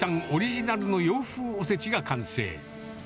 オリジナルの洋風おせちが完成。